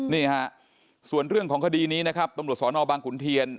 นี่ค่ะส่วนเรื่องของคดีนี้นะครับตรสนบางกุลเทียน